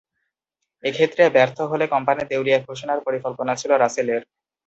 এক্ষেত্রে ব্যর্থ হলে কোম্পানি দেউলিয়া ঘোষণার পরিকল্পনা ছিল রাসেলের।